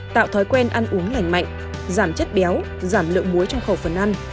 tạo thói quen ăn uống lành mạnh giảm chất béo giảm lượng muối trong khẩu phần ăn